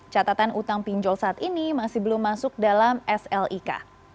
catatan utang pinjol saat ini masih belum masuk dalam slik